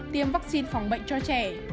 sáu tiêm vaccine phòng bệnh cho trẻ